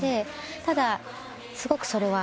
ただすごくそれは。